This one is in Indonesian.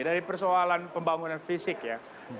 dari persoalan pembangunan fisik ya